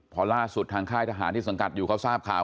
พอล่าสุดทางค่ายทหารที่สังกัดอยู่เขาทราบข่าว